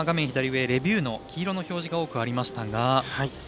左上レビューの黄色の表示が多くありましたが。